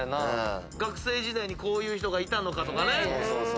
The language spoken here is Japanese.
学生時代にこういう人がいたのか？とかね。